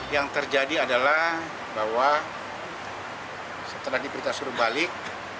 yang terjadi adalah bahwa setelah diperiksa suruh balik